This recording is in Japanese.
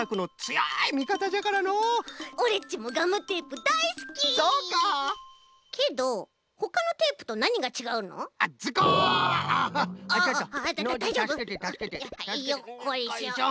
よっこいしょ。